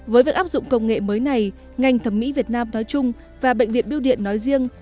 với thế này ngành thẩm mỹ việt nam nói chung và bệnh viện bưu điện nói riêng